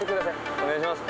お願いします。